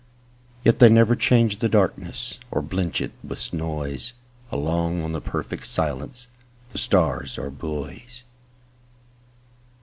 Yet they never change the darknessOr blench it with noise; Alone on the perfect silenceThe stars are buoys.